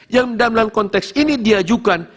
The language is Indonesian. yang dalam konteks ini diajukan